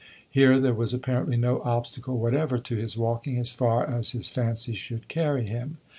Here there was apparently no obstacle whatever to his walking as far as his fancy should carry him.